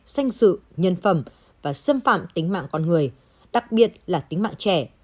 danh sự nhân phẩm và xâm phạm tính mạng con người đặc biệt là tính mạng trẻ